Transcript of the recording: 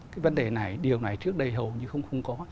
cái vấn đề này điều này trước đây hầu như không có